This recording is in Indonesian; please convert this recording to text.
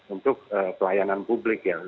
untuk pelayanan publik ya